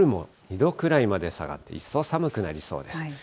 夜も２度くらいまで下がって、一層寒くなりそうです。